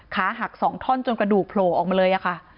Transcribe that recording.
ขาหัก๒ท่อนจนกระดูกโผล่ออกมาเลยค่ะ